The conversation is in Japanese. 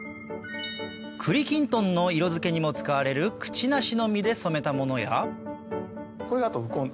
栗きんとんの色づけにも使われるクチナシの実で染めたものやこれだと。